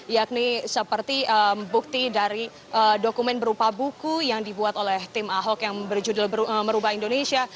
yakni seperti bukti dari dokumen berupa buku yang dibuat oleh tim ahok yang berjudul merubah indonesia